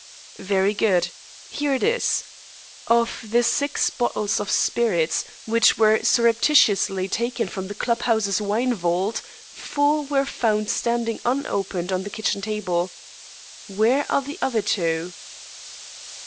"Very good. Here it is. Of the six bottles of spirits which were surreptitiously taken from the club house's wine vault, four were found standing unopened on the kitchen table. Where are the other two?"